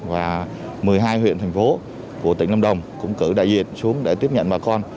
và một mươi hai huyện thành phố của tỉnh lâm đồng cũng cử đại diện xuống để tiếp nhận bà con